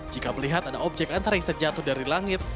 jika melihat ada objek antariksa jatuh dari langit